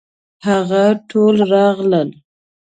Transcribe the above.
هغه ټول راغلل.